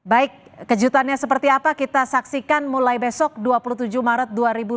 baik kejutannya seperti apa kita saksikan mulai besok dua puluh tujuh maret dua ribu dua puluh